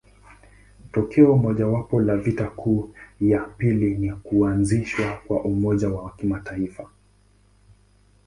Tokeo mojawapo la vita kuu ya pili ni kuanzishwa kwa Umoja wa Mataifa.